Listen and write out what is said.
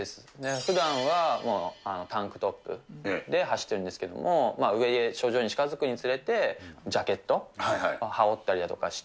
ふだんはタンクトップで走ってるんですけれども、上、頂上に近づくにつれて、ジャケット羽織ったりだとかして。